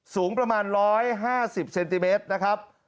สูงประมาณ๑๕๐เซนติเมตรนะครับ